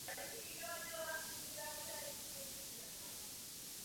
Narodil se v Kalifornii.